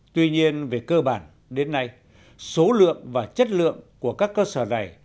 tuy nhiên về cơ bản đến nay số lượng và chất lượng của các cơ sở này